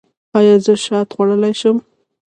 ایا زه شات خوړلی شم؟